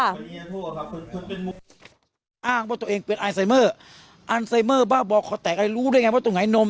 อ้างว่าตัวเองเป็นอันไซเมอร์อันไซเมอร์บ้าบอคอแตกรู้ได้ไงว่าตรงไหนนม